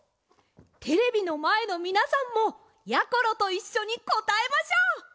テレビのまえのみなさんもやころといっしょにこたえましょう。